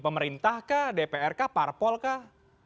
pemerintah kah dpr kah parpol kah